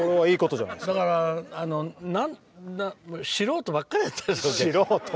だから素人ばっかりだったんですよ。